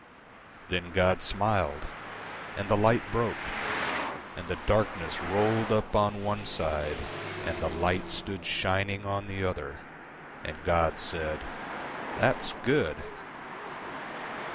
Then God smiled, And the light broke, And the darkness rolled up on one side, And the light stood shining on the other, And God said, "That's good!"